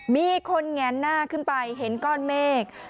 มีคนแงนหน้าขึ้นไปเห็นก้อนเมฆ